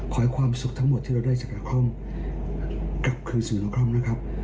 ขอให้ความสุขทั้งหมดที่เราได้จากนครกลับคือสื่อนครนะครับ